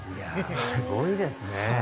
すごいですね。